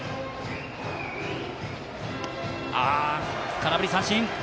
空振り三振。